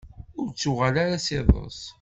Ur ttuɣal ara s iḍes.